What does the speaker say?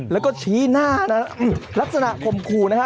แล้วก็ชี้หน้านะลักษณะข่มขู่นะฮะ